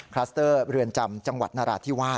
คลัสเตอร์เรือนจำจังหวัดนราธิวาส